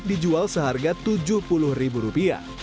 dijual seharga rp tujuh puluh